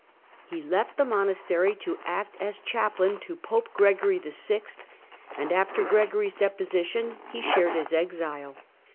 He left the monastery to act as chaplain to Pope Gregory VL, and after Gregory's deposi tion (see p. 34) he shared his exile.